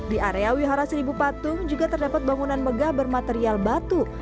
di area wihara seribu patung juga terdapat bangunan megah bermaterial batu